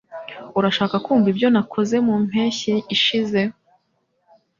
Urashaka kumva ibyo nakoze mu mpeshyi ishize?